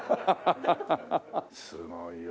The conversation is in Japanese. すごいわ。